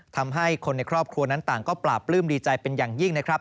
ทำให้คุณในครอบครัวดีใจเป็นอย่างยิ่ง